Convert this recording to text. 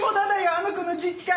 あの子の実家。